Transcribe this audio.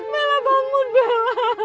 bella bangun bella